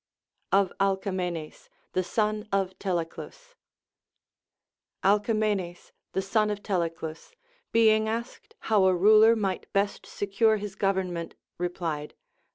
Of Alcamenes the Son of Teleclus. Alcamenes the son of Teleclus, being asked how a ruler might best secure his government, replied.